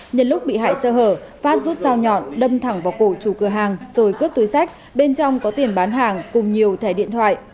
nhân lúc bị hại sơ hở phát rút dao nhọn đâm thẳng vào cổ chủ cửa hàng rồi cướp túi sách bên trong có tiền bán hàng cùng nhiều thẻ điện thoại